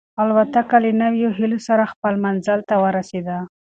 الوتکه له نویو هیلو سره خپل منزل ته ورسېده.